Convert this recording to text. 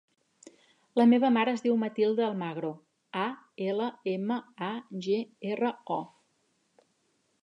La meva mare es diu Matilda Almagro: a, ela, ema, a, ge, erra, o.